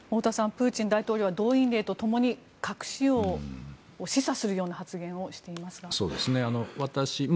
プーチン大統領は動員令とともに核使用を示唆するような発言をしていますが。